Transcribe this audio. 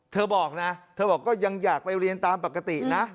เธอบอกนะเธอบอกก็ยังอยากไปเรียนตามปกตินะ